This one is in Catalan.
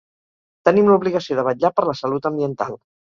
Tenim l’obligació de vetllar per la salut ambiental.